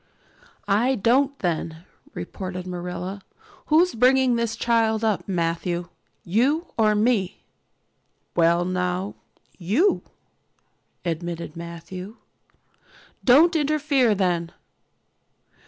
"I don't then," retorted Marilla. "Who's bringing this child up, Matthew, you or me?" "Well now, you," admitted Matthew. "Don't interfere then."